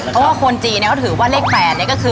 เพราะว่าคนจีนก็ถือว่าเลข๘นี่ก็คือ